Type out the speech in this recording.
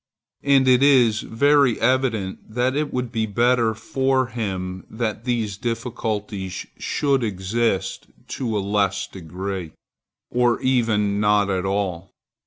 and it is very evident that it would be better for him that these difficulties should exist to a less degree, or even not at all.